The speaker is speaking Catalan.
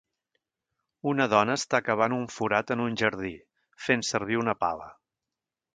Una dona està cavant un forat en un jardí, fent servir una pala.